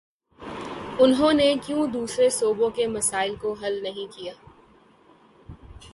انہوں نے کیوں دوسرے صوبوں کے مسائل کو حل نہیں کیا؟